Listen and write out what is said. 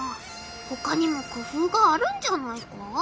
ほかにもくふうがあるんじゃないか？